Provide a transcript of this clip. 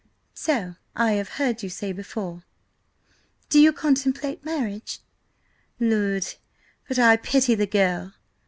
"So I have heard you say before. Do you contemplate marriage? Lud! but I pity the girl."